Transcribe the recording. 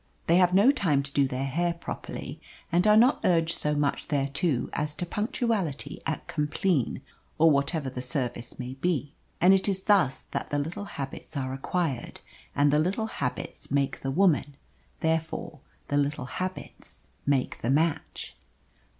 They have no time to do their hair properly, and are not urged so much thereto as to punctuality at compline, or whatever the service may be. And it is thus that the little habits are acquired, and the little habits make the woman, therefore the little habits make the match.